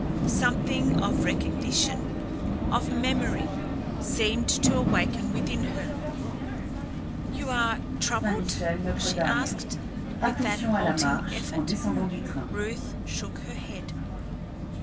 Something of recognition, of memory, seemed to awaken within her. "You are troubled?" she asked with that halting effort. Ruth shook her head.